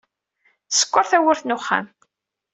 Sekker tawwurt n uxxam.